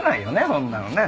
そんなのね。